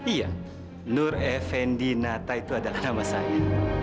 iya nure fendi nata itu adalah nama saya